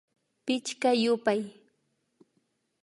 Pichka yupay